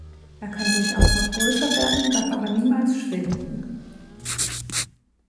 Er kann durchaus noch größer werden, darf aber niemals schwinden!